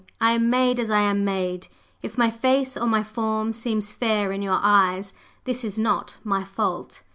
I am made as I am made; if my face or my form seems fair in your eyes, this is not my fault.